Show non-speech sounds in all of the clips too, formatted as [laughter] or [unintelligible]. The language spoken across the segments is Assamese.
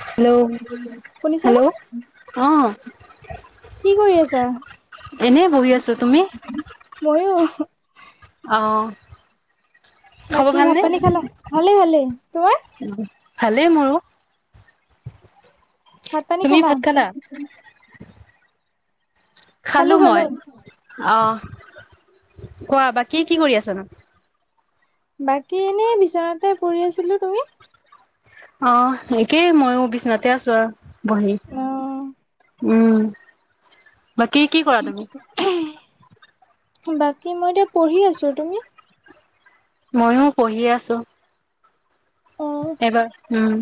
হেল্ল'? শুনিছানে? হেল্ল'? অ'! কি কৰি আছা? এনেই বহি আছো তুমি মইয়ো অ'! খবৰ বাকী ভাত ভালনে পানী খালা? ভালে, ভালে। তোমাৰ? ভালেই মোৰো। ভাত পানী তুমি ভাত খালা? খালো খালোঁ খালো। মই। অ'! কোৱা বা কি কি কৰি আছানোঁ? বাকী এনেই বিচনাতে পৰি আছিলোঁ। তুমি? অ'! একেই মইয়ো বিচনাতে আছোঁ আৰু বহি। অ উম, বাকী কি কৰা তুমি? বাকী মই, এতিয়া পঢ়ি আছোঁ। তুমি? ময়ো পঢ়ি আছোঁ। অ মই এইবাৰ উম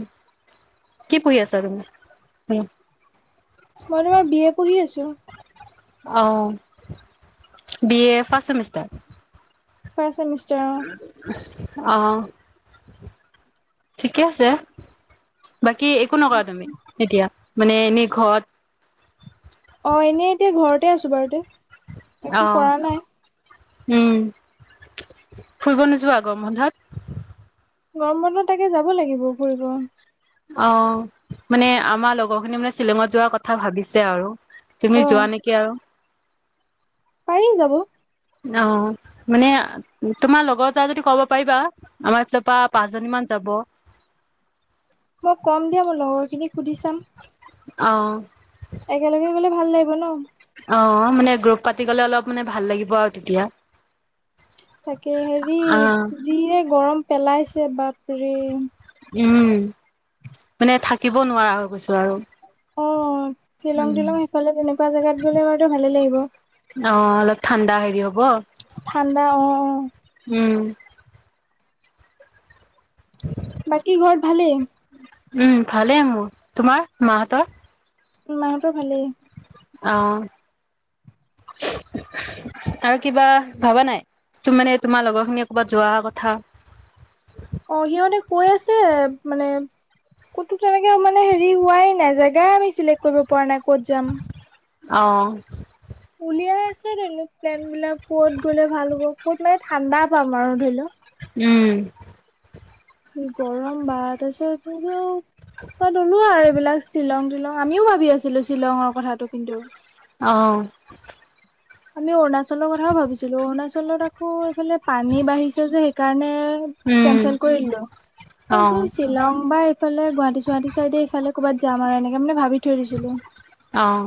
কি পঢ়িহি আছা তুমি উম। মই তোমাৰ বি এ পঢ়ি আছোঁ। অঁ বি এ ফাৰ্ষ্ট চেমিষ্টাৰ। পাৰ্চ ত। আহ ঠিকে আছে। বাকী একো নকৰা তুমি এতিয়া মানে এনেই ঘৰত। অ এনেই এতিয়া ঘৰতে আছোঁ বাৰু তো অ একো কৰা নাই। উম ফুৰিব নোযোৱা গৰম বন্ধত? গৰম বন্ধ তাকে যাব লাগিব ফুৰিব। অ মানে আমাৰ লগৰ খিনি মানে শ্বিলঙত যোৱাৰ কথা ভাবিছে আৰু, তুমি অ যোৱা নেকি আৰু। পাৰি যাব। অ মানে তোমাৰ লগৰ যায় যদি ক'ব পাৰিবা আমাৰ এইফালৰ পৰা পাঁচজনী মান যাব। মই কম দিয়া মই লগৰখিনি সুধি চাম। অ'। একেলগে গ'লে ভাল লাগিব ন। অ মানে গ্ৰুপ পাতি গ'লে অলপ মানে ভাল লাগিব আৰু তেতিয়া তাকে হেৰি অ যিয়ে গৰম পেলাইছে বাপৰে। উম মানে থাকিব নোৱাৰা হৈ গৈছোঁ আৰু। অ শ্বিলং উম, তিলং সেইফালে তেনেকুৱা জেগাত গ'লে বাৰু ভালে লাগিব। [unintelligible] অ অলপ ঠাণ্ডা হেৰি হব। ঠাণ্ডা অ অ। উম বাকী ঘৰ ভালে। উম ভালে মোৰ তোমাৰ মাহঁতৰ? মাহতৰ ভালেই। অ আৰু কিবা ভাবা নাই? ত মানে তোমাৰ লগৰ খিনি ক'বাত যোৱা কথা। অ সিহঁতে কৈ আছে মানে ক'তো তেনেকে মানে হেৰি হোৱাই নাই জেগা আমি চিলেক্ কৰিব পৰা নাই ক'ত যাম। আহ উলিয়াই আছে তেনো প্লেন বিলাক কত গ'লে ভাল হ'ব ক'ত মান ঠাণ্ডা পাম আৰু ধৰি লওক, উম। চি গৰম বা তাৰপিছও লোৱা। [unintelligible] বিলাক শ্বিলঙ তিশ্বিলঙআমিও ভাবি আছিলো শ্বিলঙৰ কথাটো কিন্তু। [unintelligible] আহ'। আমি অৰুণাচল [unintelligible] কথাও ভাবিছিলোঁ। অৰুণাচলত আকৌ এফালে পানী বাঢ়িছে যে হাই কাৰণে উম কেনচেল তাৰ অহ পাছত শ্বিলঙ বা এইফালে গুৱাহাটী সুৱাহতি সাইটে। যে আমাৰ এনেকে মান ভাবি থৈদিছিলো। অহ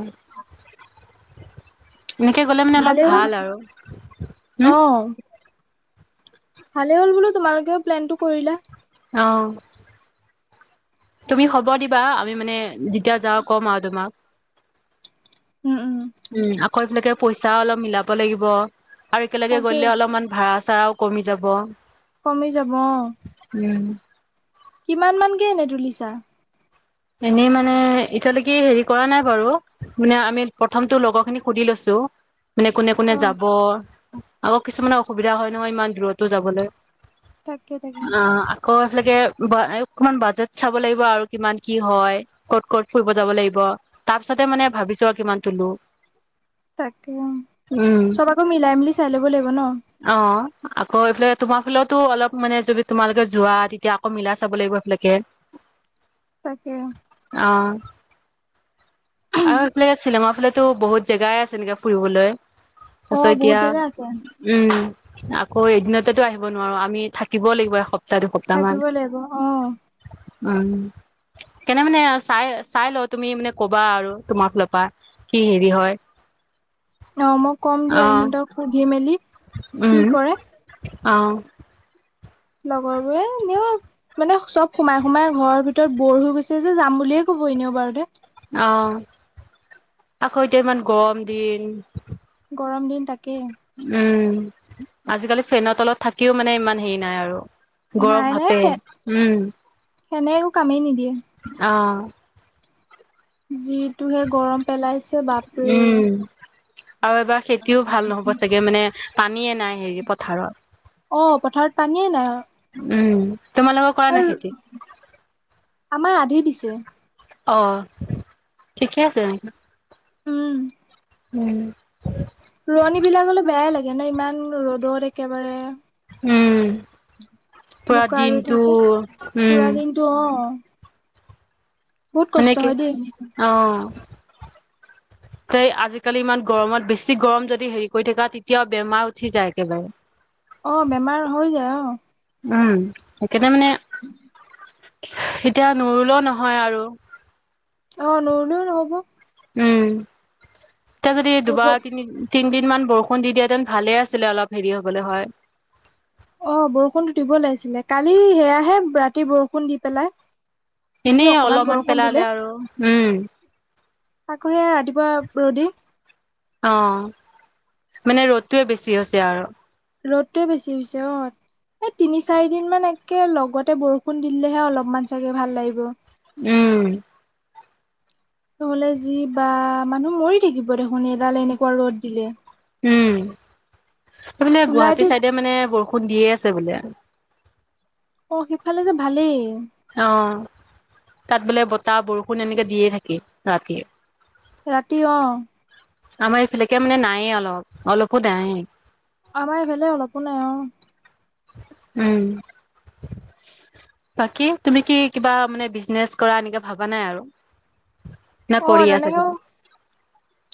এনেকে গ'লে মানে অলপ ভাল আৰু হম। অ ভালে হ'ল বোলো তোমালোকেও প্লেনটো কৰিলা। অঁ। তুমি খবৰ দিবা আমি মানে যেতিয়া যাওঁ ক'ম আৰু তোমাক, উম উম উম আকৌ এইবিলাকে পইচা অলপ মিলাব লাগিব আৰু একেলগে তাকে গলে অলপমান ভাড়া, চাও কমি যাব। কমি যাব অ'। উম। কিমান মানকে এনে তুলিছা এনেই মানে এতিয়ালৈকে হেৰি কৰা নাই বাৰু মানে আমি প্ৰথমটো লগৰ খিনি সুধি লৈছো টো মানে কোনে কোনে অ যাব আকৌ কিছুমানৰ অসুবিধা হয় নহয় ইমান দূৰতো যাবলৈ তাকে তাকে আকে অকণমান বাজেট চাব লাগিব আৰু কিমান কি হয় ক'ত ক'ত ফুৰিব যাব লাগিব তাৰ পিছতে মানে ভাবিছো আৰু কিমান তুলো তাকে অ চব আকৌ মিলাই মেলি চাই ল'ব লাগিব ন অ আকৌ এইফালে তোমাৰ ফালেতো অলপ মানে যদি তোমালোকে যোৱা তেতিয়া আকৌ মিলাই চাব লাগিব এইফিলাকে তাকে [unintelligible] অ আৰু এইফালেত শ্বিলঙৰ ফালে টো বহুত জেগাই আছে নেকে ফুৰিবলৈ। অ তাৰিছত বহুত এতিয়া জেগা আছে উম আকৌ এদিনতেতো আহিব নোৱাৰো আমি থাকিবও লাগিব এসপ থাকিব লাগিব আহ উম কেনে মানে চাই চাই ল তুমি মানে কবা আৰু [unintelligible] তোমাক লবা কি হেৰি হয় অ মই কম অ দিয়া সিহঁতক সুধি মেলি কি কৰে অঁ লগৰ বোৰে এনেও মানে চব সোমাই সোমাই ঘৰৰ ভিতৰত বৰ হৈ গৈছে যে যাম বুলিয়ে কব ন বাৰু দে অ আকৌ এতিয়া ইমান গৰম দিন গৰম দিন তাকেই উম আজিকালি ফেনত তলত থাকিও মানে ইমান হেৰি নাই আৰু গৰম হাতে উম সেনেও কামেই নিদিয়ে অ যিটোহে গৰম পেলাইছে বাপৰে উম আৰু এবাৰ খেতিও ভাল নহব চাগে মানে পানীয়ে নাই হেৰি পথাৰত অ পথাৰত পানীয়ে নাই উম তোমালোকৰ কৰা আৰু নাই খেতি আমাৰ আধি [unintelligible] দিছে অ ঠিকে আছে নেকি? উম উম এ ন ইমান ৰ'দত একেবাৰে উম পুৰা বোকা ৰুই দিনটো থাকে উম পুৰা দিনটো অ বহুত কষ্ট সনেকে হয় দেই অ স আজিকালি ইমান গৰমত বেছি গৰম যদি হেৰি কৰি থাকা তেতিয়াও বেমাৰ উঠি যায় একেবাৰে অ বেমাৰ হৈ যায় অ উম সকাৰণে মানে [inaudible] এতিয়া নৰুলও নহয় আৰু অ নৰলেও নহব উম এতিয়া যদি দুবাৰ ৰ'বত তিনি তিনিদিন মান [unintelligible] বৰষুণ দি দিয়াতেন ভালে আছিলে অলপ হেৰি হ'বলৈ হয় অ বৰষুণতটো দিব লাগিছিলে কালি সেয়াহে ৰাতি বৰষুণ দি পেলাই যি এনেই অকমান অলপমান বৰষুণ দিলে পেলালে আৰু উম আকৌ সে ৰাতিপুৱা ৰ'দ অ মানে ৰ'দটোৱে বেছি হৈছে আৰু ৰ'দটোৱে বেছি হৈছে অ' এই তিনি চাৰি দিন মান একে লগতে বৰষুণ দিলেহে অলপমান চাগে ভাল লাগিব। উম। নহলে যি বা মানুহ মৰি থাকিব দেখোন এডাল এনেকুৱা ৰদ দিলে। উম এইফানে গুৱাহাটী ওলাইতো চাইডে মানে বৰষুণ দিয়ে আছে। দি আছে বোলে আৰু অ সিফালে যে ভালেই। অ তাত বোলে বতাহ বৰষুণ এনেকে দিয়ে থাকে ৰাতিয়ে। ৰাতি অ আমাৰ এইফালেকে মানে নায়ে অলপ অলপো নাই। আমাৰ এইফালে অলপো নাই অ উম বাকী তুমি কি কিবা মানে বিজনেচ কৰা এনেকে ভবা নাই আৰু না অ কৰি আছা তেনেকে কিবা?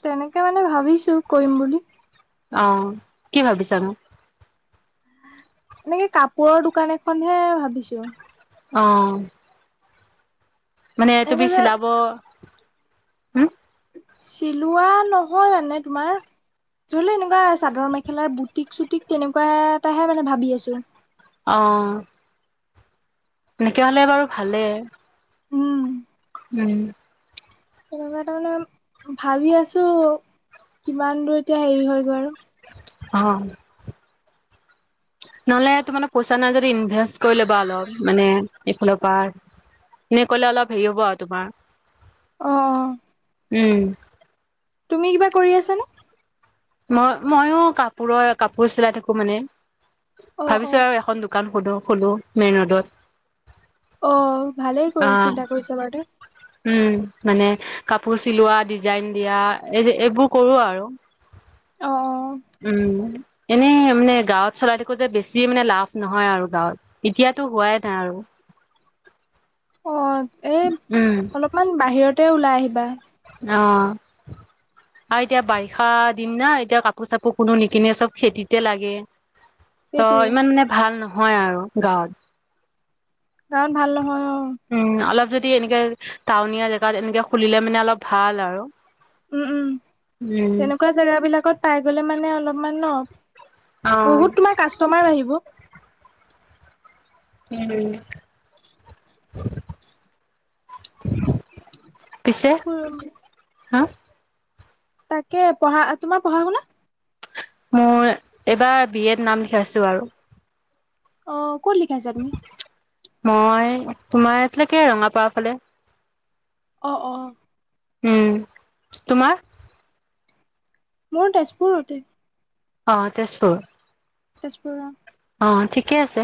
তেনেকে মানে ভাবিছো কৰিম বুলি। অ কি ভাবিছা মোক? এনেকে কাপোৰৰ দোকান এখনহে ভাবিছো? অ মানে তুমি এনেকে যে চিলাব হোম। চিলোৱা নহয় মানে তোমাৰ চৰি এনেকুৱা চাদৰ মেখেলাৰ বুটিক চুটিক তেনেকুৱা এটাহে মানে ভাবি আছো। অ এনেকে হলে বাৰু ভালেই উম উম তেনেকুৱা তাৰ মানে ভাবি আছো। কিমান দূৰ এতিয়া হেৰি হয় গৈ আৰু অ নহলে টো মানে পইচা নাই যদি ইনভেষ্ট কৰি ল'বা অলপ মানে এইফালৰ পৰা এনে কলে অলপ হেৰি হ'ব আৰু তোমাৰ আহ আহ উম তুমি কিবা কৰি আছানে? মই ময়ো কাপোৰৰ কাপোৰ চিলাই থাকো মানে অ অ ভাবিছো আৰু এখন দোকান সোধো খোলো মেইন ৰোডত। আহ ভালেই কৰি আহ চিন্তা কৰিছা বাৰু দে উম মানে কাপোৰ চিলোৱা ডিজাইন দিয়া এই যে এইবোৰ কৰো আৰু অ উম এনে আ মানে গাঁৱত চলাই থাকো যে বেছি মানে লাভ নহয় আৰু গাঁৱত এতিয়াতো হোৱাই নাই আৰু [inaudible] অ এই উম অলপমান বাহিৰতে ওলাই আহিবা। অ আৰু এতিয়া বাৰিষা দিন না এতিয়া কাপোৰ চাপোৰ কোনো নিকিনে চব খেতিতে লাগে। ত সেইটোৱে ইমান মানে ভাল নহয় আৰু গাঁৱত। গাঁৱত ভাল নহয় অ। উম অলপ যদি এনেকে টাউনীয়া জেগাত এনেকে খুলিলে মানে অলপ ভাল আৰু উম উম উম তেনেকুৱা জেগাবিলাকত পাই গলে মানে অলপমান ন। অ বহুত তোমাৰ কাষ্টমাৰ আহিব। উম [inaudible] হয়। হা তাকে পঢ়া তোমাৰ পঢ়া শুনা। মোৰ এইবাৰ বি এড নাম লিখাইছো আৰু অ কোন লিখাইছা তুমি মই তোমাৰ ইয়াতলৈকে ৰঙাপাৰা ফালে অ অ উম তোমাৰ মোৰ তেজপুৰতে অ তেজপুৰ তেজপুৰ অ ঠিকে আছে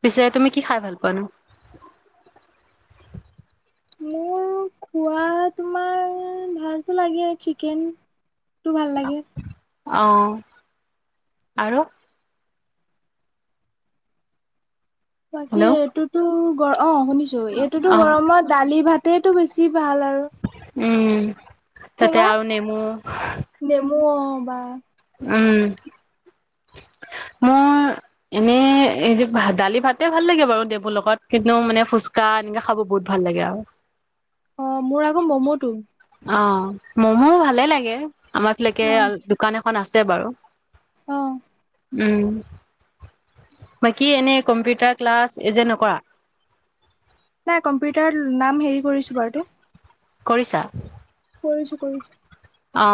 পিছে তুমি কি খাই ভাল পানো [unintelligible] মোৰ খোৱা তোমাৰ ভালতো লাগে চিকেন। তোৰ ভাল লাগে। আহ আৰু বাকী হেল্ল' এইটোতো গ অ শুনিছো এইটোতো অ গৰমত দালি ভাতেটো বেছি ভাল আৰু উম তাতে তোমাৰ আৰু নেমু নেমু অ। মবা উম মোৰ এনেই এই দালি ভাতে ভাল লাগে বাৰু দেবোৰ লগত কিন্তু মানে খোজকাঢ় কা এনেকা খাব বহুত ভাল লাগে আৰু অ মোৰ আকৌ ম'ম'টো অ মমো ভালে লাগে আমাৰ ফকে দোকান এখন আছে বাৰু আহ উম বাকী এনে কম্পিউটাৰ ক্লাছ এ যে নকৰা নাই কম্পিউটাৰ নাম হেৰি কৰিছো বাৰু তে কৰিছা কৰিছো কৰিছো অ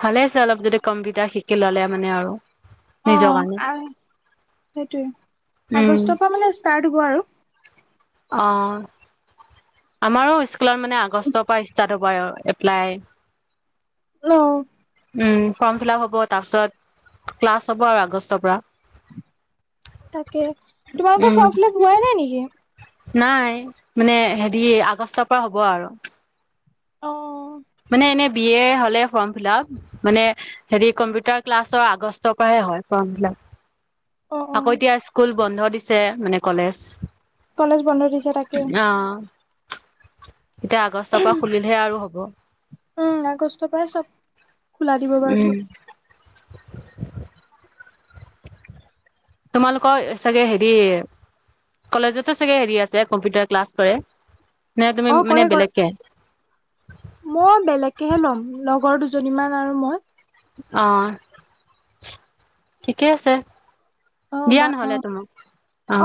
ভালে আছে অলপ যদি কম্পিউটাৰ শিকি ললে মানে আৰু অ নিজৰ কাৰণে আ সেইটোৱে উম আগষ্টৰ পৰা মানে ষ্টাৰ্ট হ'ব আৰু অ আমাৰো স্কুলত মানে আগষ্টৰ পৰা ষ্টাৰ্ট হ'ব ব এপ্লাই অহ উম ফৰ্ম ফিলআপ হ'ব তাৰ পিছত ক্লাছ হ'ব আৰু আগষ্টৰ পৰা তাকে তোমালোকৰ উম ফৰ্ম ফ্লাপ্ হোৱাই নাই নিকি নাই মানে হেৰি আগষ্টৰ পৰা হ'ব আৰু অ মানে এনে বি এৰ হলে ফৰ্ম ফিলপ মানে হেৰি কম্পিউটাৰ ক্লাছৰ আগষ্টৰ পৰাহে হয় ফৰ্ম অ অ ফিলআপ আকৌ এতিয়া স্কুল বন্ধ দিছে মানে কলেজ কলেজ বন্ধ দিছে তাকে অ এতিয়া আগষ্টৰ পৰা খুলিলেহে আৰু হ'ব উম আগষ্টৰ পৰাই চব খোলা দিব উম। বাৰুতো [unintelligible] তোমালোকৰ চাগে হেৰি কলেজতো চাগে হেৰি আছে কম্পিউটাৰ ক্লাছ কৰে নাই তুমি অ কৰে মানে কৰে বেলেগকে মই বেলেককেহে ল'ম লগৰ দুজনীমান আৰু মই অ ঠিকে আছে অ দিয়া বা নহলে অ তোমাক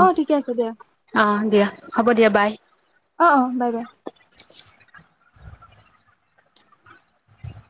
অ ঠিকে আছে দিয়া অহ দিয়া হ'ব দিয়া বাই অ অ বাই বাই